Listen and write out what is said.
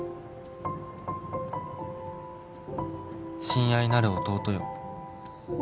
「親愛なる弟よ」